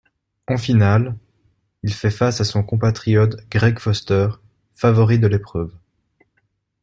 En finale, il fait face à son compatriote Greg Foster, favori de l'épreuve.